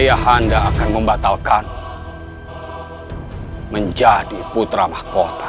ayahanda akan membatalkanmu menjadi putra mahkota